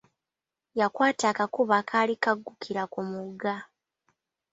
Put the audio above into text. Yakwata akakubo akaali kaggukira ku mugga.